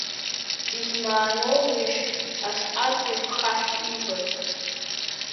Измааноузеишь асҟатәи хаҳә иибаз?